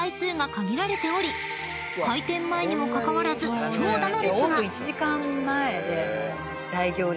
［開店前にもかかわらず長蛇の列が］